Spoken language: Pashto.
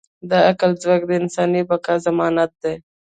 د عقل ځواک د انساني بقا ضمانت دی.